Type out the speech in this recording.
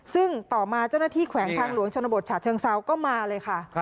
ซึ่งต่อมาเจ้าหน้าที่แขวงทางหลวงชนบทฉะเชิงเซาก็มาเลยค่ะ